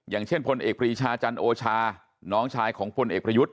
อย่างเช่นพลเอกปรีชาจันโอชาน้องชายของพลเอกประยุทธ์